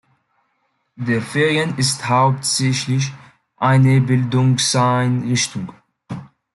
Der Verein ist hauptsächlich eine Bildungseinrichtung.